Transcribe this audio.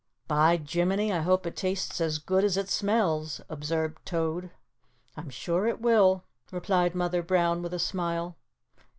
"By jiminy, I hope it tastes as good as it smells," observed Toad. "I'm sure it will," replied Mother Brown, with a smile.